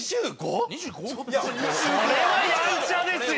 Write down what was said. それはやんちゃですよ！